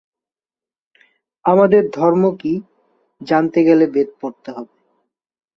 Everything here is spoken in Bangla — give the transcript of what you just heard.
আমাদের ধর্ম কি, জানতে গেলে বেদ পড়তে হবে।